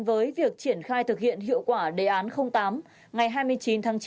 với việc triển khai thực hiện hiệu quả đề án tám ngày hai mươi chín tháng chín